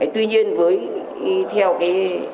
tuy nhiên với theo cái